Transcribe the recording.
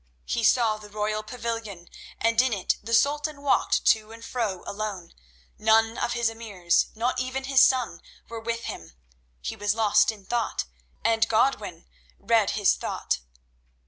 He saw the royal pavilion, and in it the Sultan walked to and fro alone—none of his emirs, not even his son, were with him. He was lost in thought, and Godwin read his thought.